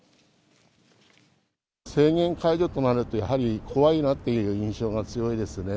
制限解除となると、やはり怖いなという印象が強いですね。